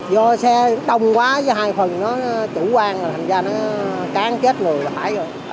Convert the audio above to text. do xe đông quá với hai phần nó chủ quan thành ra nó cán kết người là phải rồi